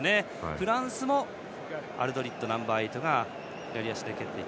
フランス、アルドリットナンバーエイトが左足で蹴ったと。